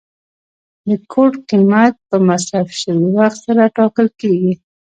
د کوټ قیمت په مصرف شوي وخت سره ټاکل کیږي.